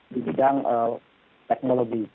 di bidang teknologi